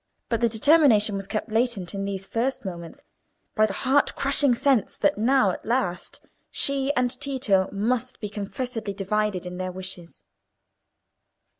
But the determination was kept latent in these first moments by the heart crushing sense that now at last she and Tito must be confessedly divided in their wishes.